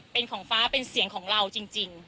เป็นของฟ้าเป็นเสียงของเราจริง